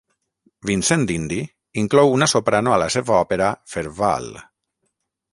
Vincent d'Indy inclou una soprano a la seva òpera "Fervaal".